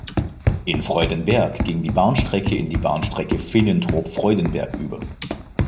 In Freudenberg ging die Bahnstrecke in die Bahnstrecke Finnentrop–Freudenberg über.